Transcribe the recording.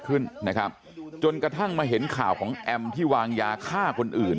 ขึ้นนะครับจนกระทั่งมาเห็นข่าวของแอมที่วางยาฆ่าคนอื่น